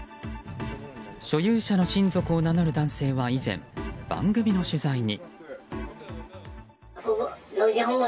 所有者の親族を名乗る男性は以前、番組の取材に。